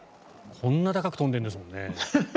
こんなに高く跳んでるんですもんね。